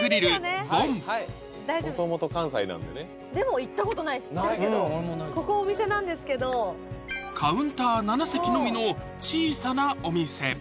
もともと関西なんでねでも行ったことないここお店なんですけどカウンター７席のみの小さなお店